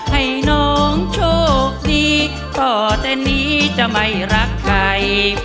ให้น้องโชคดีต่อแต่นี้จะไม่รักใคร